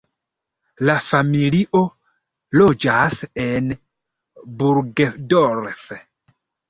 La familio loĝas en Burgdorf.